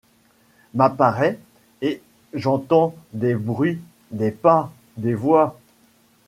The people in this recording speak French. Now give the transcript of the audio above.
M’apparaît ; et j’entends des bruits, des pas, des voix